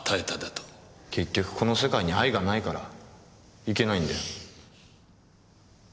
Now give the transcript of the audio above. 結局この世界に愛がないからいけないんだよ。